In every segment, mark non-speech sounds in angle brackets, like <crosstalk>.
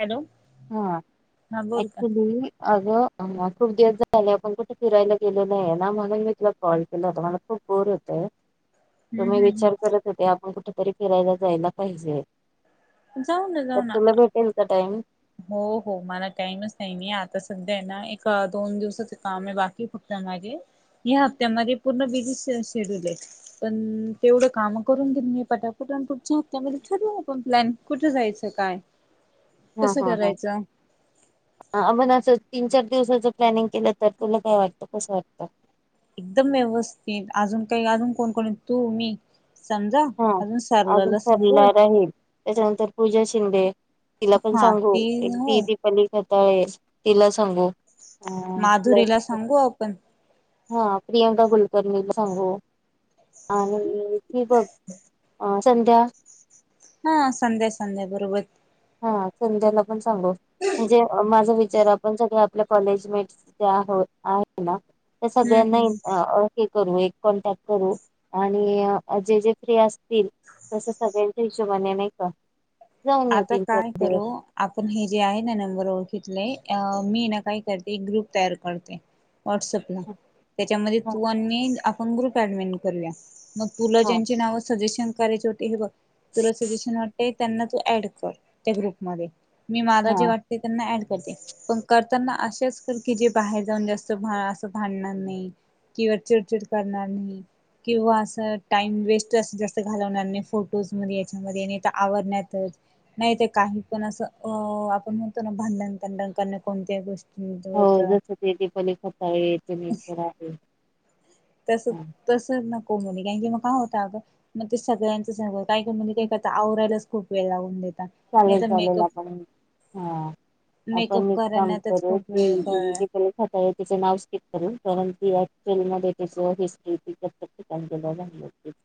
Hello हा बोल का हाक्चुली अग. खूप दिवस झाले आपण कुठे फिरायला गेले नाही ना म्हणून मी तुला कॉल केला होता मला खूप गोर होत. हम्म तुम्ही हम्म विचार हम्म करत होते आपण कुठेतरी फिरायला जायला पाहिजे. जाऊ ना तर जाऊ ना तुला भेटेल का टाईम हो हो मला टाइमच नाही नाही आता सध्या आहे ना एक दोन दिवसाच काम आहे बाकी फक्त <unintelligible> या हप्त्यामध्ये पूर्ण बिझी शेड्यूल आहे पण तेवढं काम करून घेन मी पटापट. कुठच्या हप््यामध्ये ठरवू आपण प्लॅन कुठे जायचं काय? हा कसं हा हा करायचं आप म्हण असं. तीन चार दिवसाचं प्लॅनिंग केलं तर तुला काय वाटत कसं वाटतं. एकदम व्यवस्थित अजून काही अजून कोण कोणी तू मी. समजा हा अजून अजून सरलाला ठरला सांगू राहील त्याच्यानंतर पूजा शिंदे. तिला पण हा सांगू ती हो एकदीी दिीपली खाताळे तिला सांगू अ प्लस माधुरीला सांगू आपण हा प्रियांका कुलकर्णीला सांगू आणि त बघ ह संध्या हा संध्या संध्या बरोबर हा संध्याला पण सांगू म्हणजे माझ जर आपण सगळे आपल्या कॉलेजमेट्स आहो आहे ना त्या हम्म सगळ्यांना हम्म ू एक कॉनटॅक्ट करू आणि जे जे फ्री असतील तस सगळ्यांच्या हिशोबाने नाही का जाऊन आता येतील काय करू आपण हे जे आहे ना नंबर ओळखितलेय अ मी ना काय करते एक ग्रुप तयार करते व्हॉट्सअपला हा त्याच्यामध्ये हा तू आणि मी आपण ग्रुप ऍडमिन करूया मग तुला हा ज्यांची नावं सजेशन करायचे होते हे बघ तुला सजेशन वाटतय त्यांना ऍड कर त्या ग्रुप मध्ये मी मला जे हा. वाटते त्यांना ऍड करते पण करताना अशेच कर की जे बाहेर जाऊन जास्त असं भांडणार नाही किंवा चिडचिड करणार नाही किंवा असं टाइम वेस्ट अस जास्त घालवणार नाही फोटोज मध्ये याच्यामध्ये नाय तर आवरण्यात नाही ते काही पण असं अ आपण म्हणतो ना भांडणतांडण करणे कोणत्याही गोष्टी हो जस ते येथ नेचर आहे तस हा तसं नको मुली कारण की मग काय होत अगं मग ते सगळ्यांचं स काही काही मुली काय करता आवरायलाच खूप वेळ लावून देत चालेल चालेल आपण हा मेकअप आपण एक काम करण्यातच करू खूप ती वेळ जी क होती नां सकाळी तिच नाव स्किप करू ती क्चुअल मध्ये तीच हिस्ट्री तत ठिक <inaudible>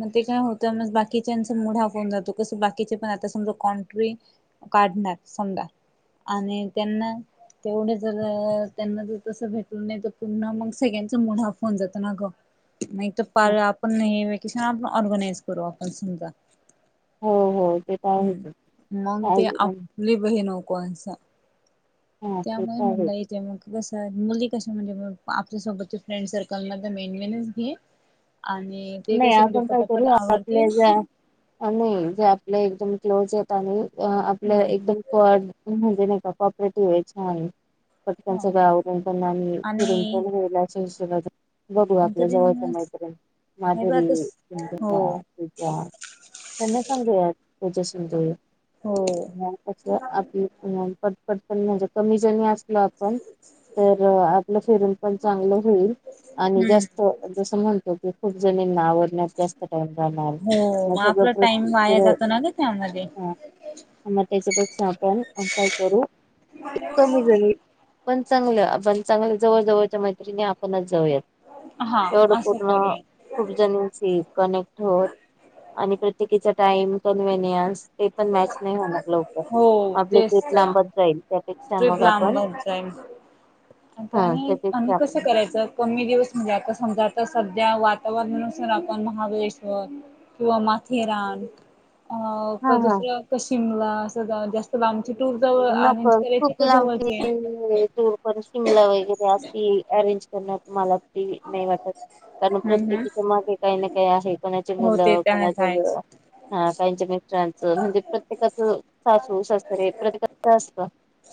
मग ते काय होतं बाकीच्याचा मुड ऑफ होऊन जातो कस बाकीचे पण आता समजा कॉन्ट्री काढणार समजा आणि त्यांना तेवढे जर त्यांना जर तस भेटल नाही तर पुन्हा मग सगळ्यांचा मुड ऑफ होऊन जातो ना गं नाही तर आपण हे वकेशन आपण ऑर्गनाइज करू आपण समजा हो हो ते तर आहेच हम् मंग काय ते आपली बहीण नको अस हा ते त्यामुळे तर आहे म्हणल इथे मग कसयं मुली कशी म्हणजे आपल्या सोबत फ्रेंड सर्कलमध्ये मेन मेनच घे आणि ते नाही कसं म्हणजे आपण काय पटापट करू आवडतील आपल्या ज्या नाही जे आपल्या एकदम क्लोज आहेत आणि आपलं ह एकदम क म्हणजे कोऑपरेटिव्ह आहे छान पण त्यांच ह गावरान पणा आणि फिरून पण होईल अशा हिशोबा बघू आपल्या जवळच्या अंतरीण मैत्रिणी हे ब माधुरी आता हो संध्या पूजा त्यांना सांगुयात पूजा शिंदे हो मग कस आपली पटपट पण म्हणजे कमी जणी असते मं आपण तर आपलं फिरून पण चांगलं होईल आणि हम्म जास्त जस म्हणतो की खूप जनींना आवर न्यास जास्त टाइम राहणार हो मग सग आपला टाइम वाया जातो ना ग त्यामध्ये मग त्याच्यापेक्षा आपण काय करू कमी झाली पण चांगलं आपण चांगलं जवळ जवळच्या मैत्रिणी आपणच हा जाऊयात एवढं असं पूर्ण करूया खूप जनींची कनेक्ट होत आणि प्रत्येकीचा टाइम कनव्हीनीयन्स ते पण मॅच नाही होणार लवकर आपले ट्रिप लांबत जाईल त्यापेक्षा ट्रीप मग आपण लांबत जाईल आता हा आणि त्यापेक्षा कस आपण करायचं मी दिवस म्हजे आता समजा आता सध्या वातावरनानुसार आपण महाबळेश्वर किंवा माथेरान अ हा का हा दुसरं शिमला अस जास्त लांबची टूर जवळ नको अरेंज करायची खूप का जवळची लांबची हम्म टूर पण शिमला वगैरे अशी अरेंज करणार तर मला तरी नाही वाटत कारण हम्म प्रत्येकीच्या मागे काही ना काही आहे कोणाची हो ते मुलं तर आहेच कोणाचं हा त्यांच्या मित्रांचं म्हणजे प्रत्येकाचं सासू सासरे प्रत्येका असत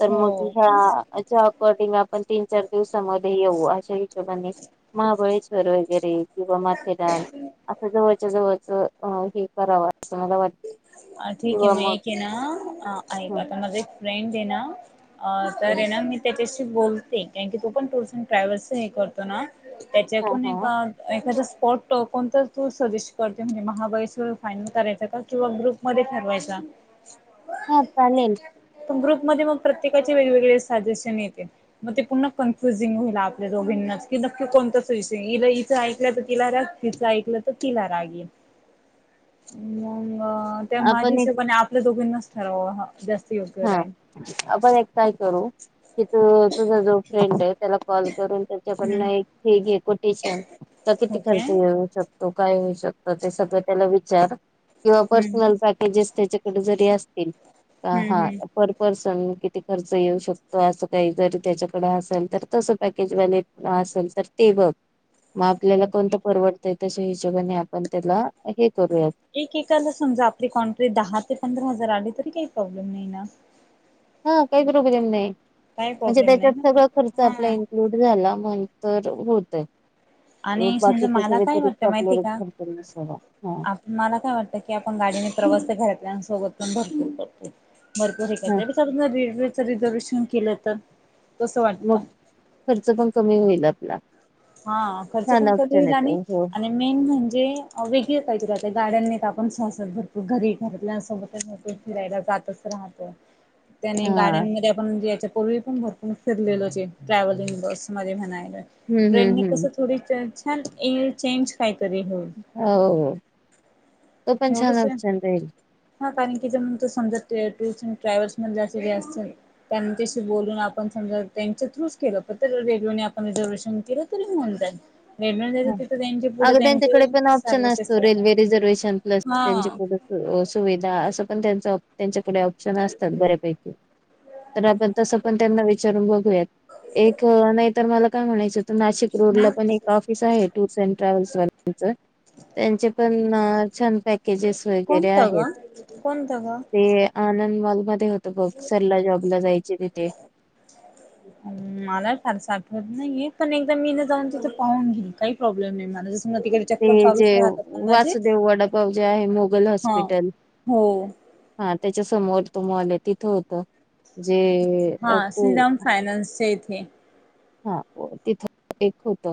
तर मग हो ह्या च्या अकॉर्डिंग पण तीन चार दिवसामध्ये येऊ अशा हिशोबाने महाबळेश्वर वगैरे किंवा माथेरान असं जवळच्या जवळच हे कराव अ ठीक आहे मग एक आहे ना ऐक ह आता माझा एक फ्रेंड आहे ना अ तर आहे ना मी त्याच्याशी बोलते कारण की तो पण टूर्स अँड ट्रॅव्हल्स हे करतो ना हा त्याच्याकडून एक हा एखाद पॉट तर तू सजेस्ट करते म्हणजे महाबळेश्वर फायनल करायचं का किंवा ग्रुप मध्ये ठरवायचा हा चालेल ण ग्रुप मध्ये मग प्रत्येकाचे वेगवेगळे सजेशन येते मग ते पूर्ण कन्फ्युजिंग होईल आपल्या अभि नक्की नक्की कोणताच विषय इला इिचं ऐकलंय तर तिला राग तिचं ऐकलं तर तिला राग ये मग त्या माझ्या आपण एक हिशोबाने आपल्या दोघींनाच ठरावं जास्त योग्य हा राहील. आपण एक काय करू की तू तुझा जो फ्रेंड आहे त्याला कॉल करून हम्म त्याच्याकडन एक हे घे कोटेशन तर किती खर्च हम्म घेऊ शकतो काय श स त्या विचार किं पर् प हम्म प्रस्नल ते <inaudible> हम्म. किती खर्च येऊ शकतो असं काही जरी त्याच्याकडे असेल तर तसं पॅकेज वलेज असेल ते बघ मग आपल्याला कोणत ओके. परवडतय तशा हिशोबाने आपण त्याला दे वू एक एकाला समजा आपली कॉन्ट्रेक्ट दहा ते पंधरा हजार आली तरी काही प्रॉब्लेम नाही ना काही प्रोब्म नाही काही म्हणजे प्रॉब्लेम नाही त्याच्यात ना. सगळा खर्च आपला हा इन्क्लूड झाला म्ह तर होतय आणि बाकी समजा त्याच्या मला काय व्यतिरिक्त वाटतं माहितीय आपल्याला का खर्च नसावा हा आप मला काय वाटतं की आपण गाडीने प्रवास घरातत भरपूरत भरपूर हा हे रेल्वेच रिझर्वेशन केलं तर कसं मग वाटतं? खर्च पण कमी होईल आपला हा खर्च छान पण कमी ऑप्शन होईल आहे आणि तो हो आणि मेन म्हणजे जे वेगळे काही गार्डनने आपण शसत भरपूर घरी घरातल्या सोबतच फिरायला हा तस राहत हा पूर्वी पण भरपूर फिरलेलो ट्रॅव्हलिंग बस मध्ये म्हणायला हम्म ट्रेनने हम्म हम्म कस थोडी छान चेंज खयच हो तो पण छान एवढंच आहे. नुकसान राईल कारण की त समजा टूर्स ट्रॅव्हल्स म जे असल त्यांच्याशी बोलून आपणसमजा त्यांच्या थ्रूच केलं पण रेडिओने आपण रिझर्वेशन केलं तरी म्हणतय हा वेडमच तिथं त्यांचे पुढं अगं त्यांचे त्यांच्याकडे सर्विसेस पल हा त्यां सुविधा अस पण त्यां आपले ऑप्शन असतात बऱ्यापैकी तर आपण तसं पण त्यांना विचारून बघूयात एक नाही तर मला काय म्हणायचं नाशिक म रोडला पण एक ऑफिस आहे टूर्स अँड ट्रॅव्हल्सच त्यांचे पण छान पॅकेजेस वगैरे कोणतं आहेत ग कोणतं ग ते आंद तर बघ सरला जॉबला जायचे तिथे हम् मला फार साठवत नाहीये पण एकदा मीनं जाऊन तिथ पाहून घेन काही प्रॉब्लेम नाही मला तिकडे ते चक्कर चालूच जे राहतात म्हणजे वासुदेव वडापाव जे आहे मोगल हा हॉस्पिटल हो हा त्याच्या समोर तो मॉल आहे तिथं होत जे हा तू श्रीराम फायनान्सच्या इथे हा तिथ एक होत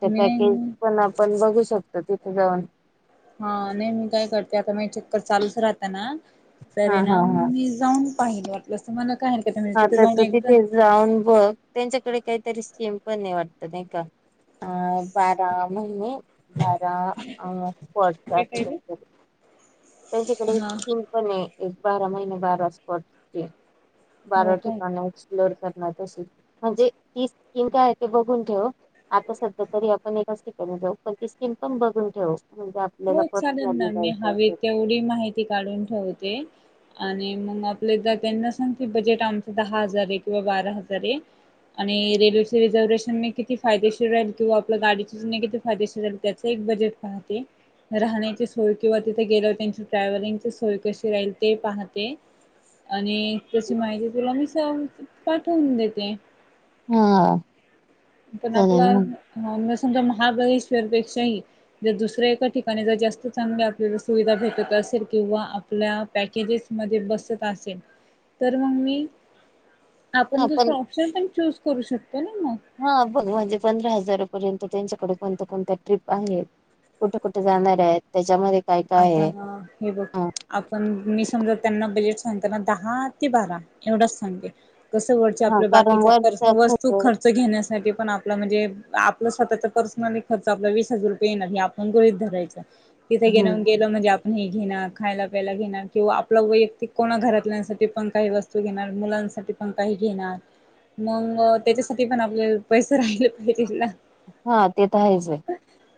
तर मी पॅकेज नाही पण आपण बघू शकत तिथे जाऊन हा नाही मी काय करते आता म चक्कर चालूच राहत ना त हा ना हा मग हा मी जाऊन पाहिलं वाटलं अस मला काय हरकत म्हणजे हा तिथे तर जाऊन तू एकदा तिथे जाऊन बघ त्यांच्याकडे काहीतरी स्कीम पण नाही वाटत नाही का अ बारा महिने घार काय पाहिजे? स्पट त्यांच्याकडे हा स्न पण आहे एक बारा महिने बारा स्पॉट हो बारा काय ठिकाण एक्सप्लोर त म्हणजे ती स्कीिम काय आहे ते बघून ठेव आता सध्या तरी आपण एका सिकम ठेऊ पण ती स्कीम पण बघून ठेवू म्हणजे आपल्याला हो चालेल पसनली ना मी जायचंय हवी तेवढी माहिती काढून ठेवते आणि मग आपले जर त्यांना सांगते बजेट आमचं दहा हजारे किंवा बारा हजारे आणि रेल्वेचे रिझर्वेशनने किती फायदेशीर राहील किंवा आपल्या गाडी चीनीगीदे फायदेशीर त्यचे बजेट पाहते राहण्याची सोय किंवा तिथे गेल्यावर त्यांची ट्रॅव्हलिंगची सोय कशी राहील ते पाहते आणि तशी माहिती दील्या नुसार पाठवून देते हा पण आपला चालेल च मग म्हामस महाबळेश्वरपेक्षाही जर दुसऱ्या एका ठिकाणी जर जास्त चांगली आपल्या सुविधा भेटतर सर किंवा आपल्या पॅकेजेस मध्ये बसत असेल तर मग मी हा आपण दुसर पण ऑप्शन पण चूज करू शकतो ना मग हा बघ म्हणजे पंधरा हजारापर्यंत त्यांच्याकडे कोणत्या कोणत्या ट्रीप आहेत कुठे कुठे जाणार आहेत त्याच्यामध्ये काय काय आता आहे ह हे बघ हा आपण मी समजा त्यांना बजेट नंतरना दहा ते बारा एवढाच सांगे कसं वरच हा, आपल्या कारण बाकीच तर वरचा वस्तू खर्च घेण्यास सखीपण आप म्हणजे आपलं स्वतःचा पर्सनली खर्च आपला वीस हजार रुपये येणारे हे आपण गहेत धरायच हम्म म्हणजे आपण हे घे खायला पियला घेणार किंवा आपला वैयक्तिक कोणा घरात ल्ययासाठी पण काही वस्तू घेणार मुलांसाठी पण काही घेणार मग त्याच्यासाठी पण आपले पैसे राहिले पाहिजे ना हा ते तर आहेच वै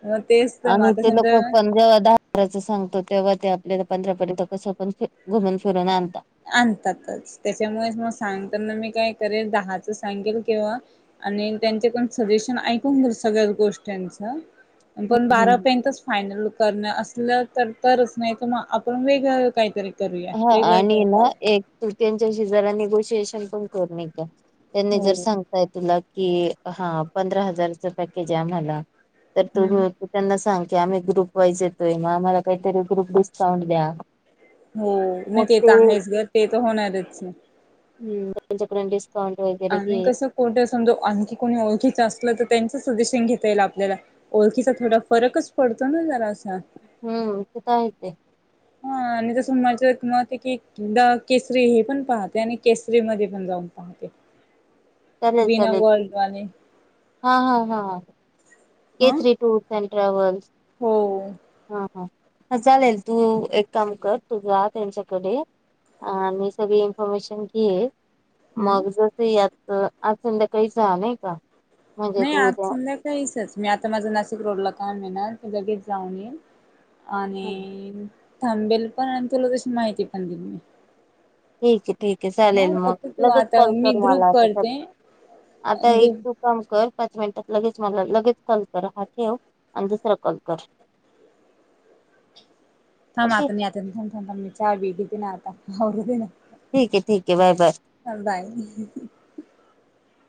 मग तेच तर मग आणि आता ते लोक समजा पण जेव्हा दहा हारच सांग तेव्हा ते आपल्याला पंधपर्यंत कसं पण घुमून फिरून आणता आणतातच त्याच्यामुळेच मग सांगताना मी काय करेल दहाच सांगेल किंवा आणि त्यांच्याकून सजेशन ऐकून घ सगळ्या गोष्टीच पण हम्म हम्म. बारापर्यंतच फायनल करण अस थीलर तरच नाही तर मग आपण वेगळंळ काहीतरी करूया वेगळं का ू एक गोष्टींचेच्य शी जरा ज निगोशिएशन पण कर का त्यांनी हो जर सांगताय तुला कि हा पंधरा हजारच पॅकेज आहे आम्हाला तर हम्म तुम्ही त्यांना सांग की आम्ही ग्रुप वाइज येतोय मग आम्हाला काहीतरी ग्रुप डिस्काउंट द्या हो नाही ते तर आहेच घर ते तर होणारच हम रपचकरंडीस आणि कसं कोुठे समजा आणखी कोणी ओळखीच असत त्यांच सजेशन घेता येल आपल्याला ओळखीचा थोडा फरकच पडतो ना जरा अ हम्म तीथ हा आणि जसं माझं मत ऐकी की एकदा केसरी हे पण पाहते आणि केसरी म पण जाऊन पाहते चालेल मीना चालेल गोल्डवाने हा हा हा हा केसरी टूर्स अँड ट्रॅव्हल्स. हो हा हा. हा चालेल तू एक काम कर तू जा त्यांच्याकडे अमी सगळी इन्फॉर्मेशन कीये हम्म. मग जस यात अ आज संध्याकाळी झा नाही का? म्हणजे नाही तू आज उद्या समधा काहीचच मी आता माझं नाशिक रोडला काम आहे ना ते लगेच जाऊन येईन. हं, आणि थांबेल पण आणि तुला तशी माहिती पण दिन मी ठीक ठीक हा चालेल मग फक्त तू लगेच आता कॉल मी कर ग्रुप मला आता करते आता एक ग्रुप तू काम कर पाच मिनिटात लगेच. मला लगेच कॉल करा हा ठेव आणि दुसरा कॉल कर. थांब ओके आता मी आता थ थांथ मी चहा बीते ना आता ना हो हो पीना. ठीक आहे ठीक आहे बरं बरं. नंदा आहेत हं हं हं.